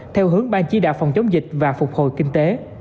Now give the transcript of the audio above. theo hướng ban chỉ đạo phòng chống dịch và phục hồi kinh tế